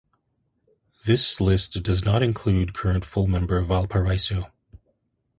This list does not include current full member Valparaiso.